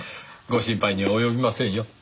ご心配には及びませんよ。